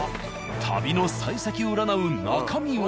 旅のさい先を占う中身は？